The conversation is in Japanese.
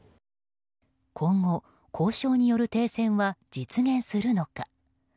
今後、交渉による停戦は実現するのか。